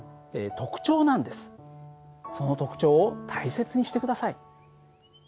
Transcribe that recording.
その特徴を大切にして下さい。